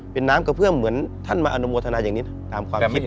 เป็นน้ำกระเพื่อมเหมือนท่านมาอนุโมทนาอย่างนี้ตามความคิด